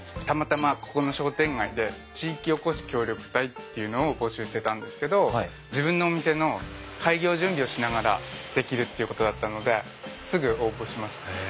たまたまここの商店街で地域おこし協力隊っていうのを募集してたんですけど自分のお店の開業準備をしながらできるっていうことだったのですぐ応募しまして。